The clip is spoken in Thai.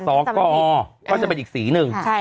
สกก็จะเป็นอีกสีหนึ่ง